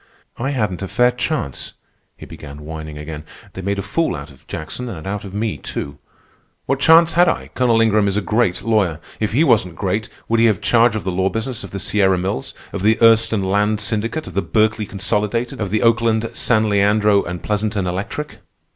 "I hadn't a fair chance," he began whining again. "They made a fool out of Jackson and out of me, too. What chance had I? Colonel Ingram is a great lawyer. If he wasn't great, would he have charge of the law business of the Sierra Mills, of the Erston Land Syndicate, of the Berkeley Consolidated, of the Oakland, San Leandro, and Pleasanton Electric?